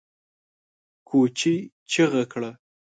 کوچي چيغه کړه!